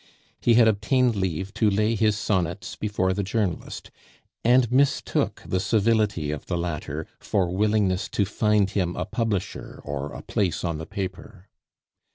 He had obtained leave to lay his sonnets before the journalist, and mistook the civility of the latter for willingness to find him a publisher, or a place on the paper.